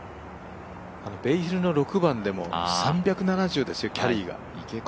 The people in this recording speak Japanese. ベイヒルの６番でも３７０ですよ、キャリーが。